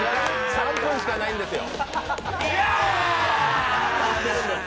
３分しかないんですよ。